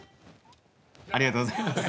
ありがとうございます。